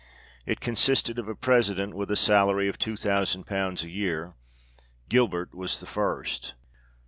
It consisted of a President, with a salary of two thousand pounds a year ; Gilbert was the first.